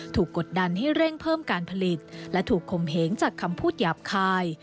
กดดันให้เร่งเพิ่มการผลิตและถูกคมเหงจากคำพูดหยาบคาย